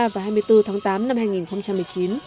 hai mươi ba và hai mươi bốn tháng tám năm hai nghìn một mươi chín